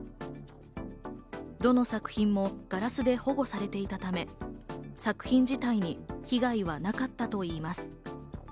どの作品もガラスで保護されていたため、作品自体に被害はなかったといいます。